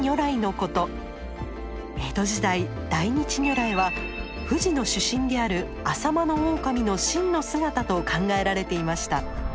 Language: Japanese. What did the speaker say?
江戸時代大日如来は富士の主神であるアサマノオオカミの真の姿と考えられていました。